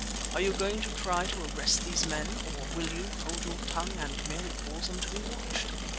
Are you going to try to arrest these men, or will you—hold your tongue and merely cause them to be watched?"